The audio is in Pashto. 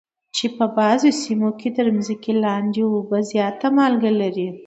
چې په بعضو سیمو کې د ځمکې لاندې اوبه زیاته مالګه لري.